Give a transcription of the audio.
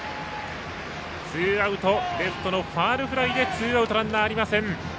レフトのファウルフライでツーアウト、ランナーありません。